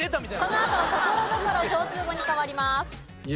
このあとところどころ共通語に変わります。